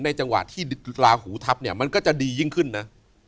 จังหวะที่ลาหูทับเนี่ยมันก็จะดียิ่งขึ้นนะ